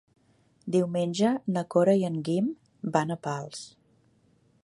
Diumenge na Cora i en Guim van a Pals.